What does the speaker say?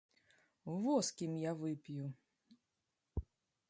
Во з кім я вып'ю!